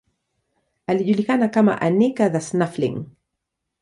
Alijulikana kama Anica the Snuffling.